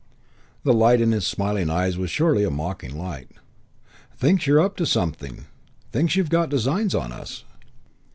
The light in his smiling eyes was surely a mocking light. "Thinks you're up to something! Thinks you've got designs on us!"